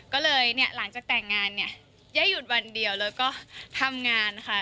ก็เลยเนี่ยหลังจากแต่งงานเนี่ยได้หยุดวันเดียวแล้วก็ทำงานค่ะ